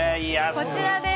こちらです。